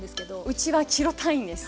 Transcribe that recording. うちはキロ単位です。